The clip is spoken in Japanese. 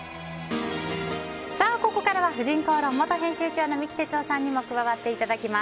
ここからは「婦人公論」元編集長の三木哲男さんにも加わっていただきます。